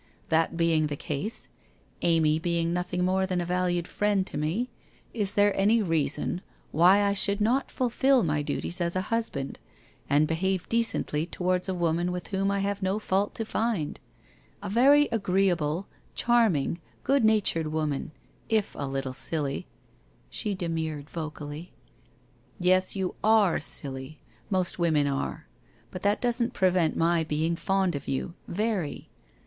That being the case — Amy being nothing more than a valued friend to me — is there any reason why I should not fulfil my duties as a husband and behave decently towards a woman with whom I have no fault to find — a very agreeable, charming, good natured woman, if a little silly ' She demurred vocally. 1 Yes, you are silly, most women are — but that doesn't prevent my being fond of you, very.